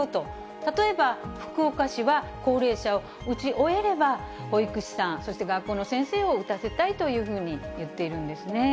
例えば、福岡市は高齢者を打ち終えれば、保育士さん、そして学校の先生を打たせたいというふうに言っているんですね。